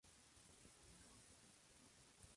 Mis dos grandes enemigos, Ross.